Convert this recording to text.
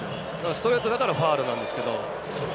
ストレートだからファウルなんですけど。